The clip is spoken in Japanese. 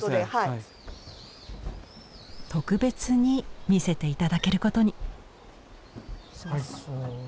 特別に見せて頂けることに。